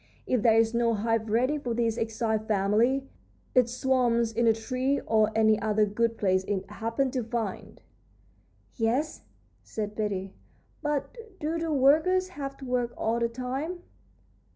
If there is no hive ready for this exiled family, it swarms in a tree or any other good place it happens to find." "Yes," said Betty; "but do the workers have to work all the time?"